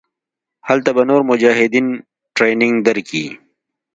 هلته به نور مجاهدين ټرېننګ دركي.